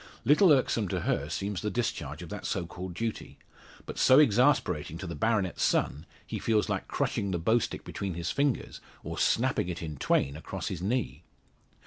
Little irksome to her seems the discharge of that so called duty; but so exasperating to the baronet's son, he feels like crushing the bow stick between his fingers, or snapping it in twain across his knee!